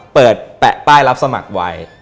แปะป้ายรับสมัครไว้